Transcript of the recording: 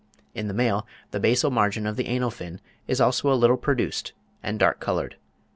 In the male the basal margin of the anal fin is also a little produced and dark coloured.